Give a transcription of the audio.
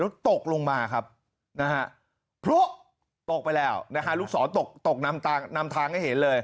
แล้วตกลงมาครับนะฮะพลุตกไปแล้วนะฮะลูกศรตกตกนำทางให้เห็นเลย